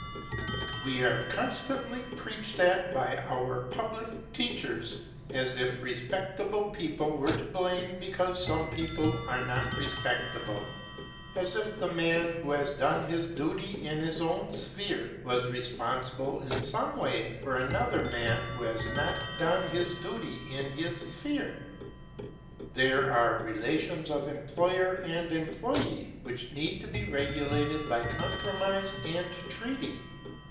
We are constantly preached at by our public teachers, as if respectable people were to blame because some people are not respectable as if the man who has done his duty in his own sphere was responsible in some way for another man who has not done his duty in his sphere. There are relations of employer and employ├® which need to be regulated by compromise and treaty.